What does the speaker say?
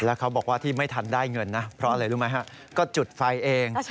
แล้วเขาบอกว่าที่ไม่ทันได้เงินนะเพราะอะไรรู้ไหมฮะก็จุดไฟเอง